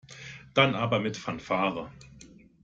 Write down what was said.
Dann aber mit Fanfare.